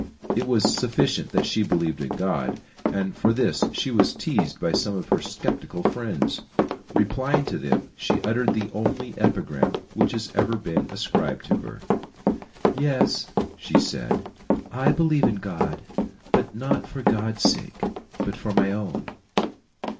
It was sufficient that she believed in God; and for this she was teased by some of her skeptical friends. Replying to them, she uttered the only epigram that has ever been ascribed to her. "Yes," she said, "I believe in God, not for God's sake, but for my own."